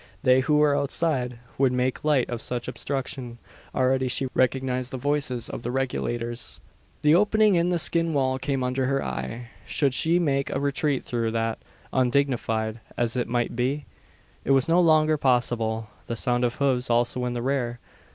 They who were outside would make light of such obstruction. Already she recognised the voices of the Regulators! The opening in the skin wall came under her eye. Should she make a retreat through that, undignified as it might be? It was no longer possible. The sound of hoofs also in the rear!